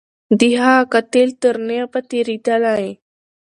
د هغه قاتل تر تیغ به تیریدلای